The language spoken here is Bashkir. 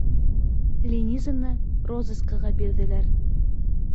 Линизаны розыскаға бирҙеләр.